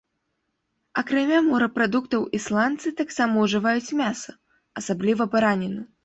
Акрамя морапрадуктаў ісландцы таксама ўжываюць мяса, асабліва бараніну.